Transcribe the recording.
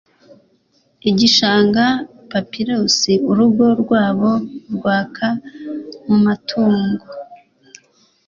igishanga papirus urugo rwabo rwaka mumatongo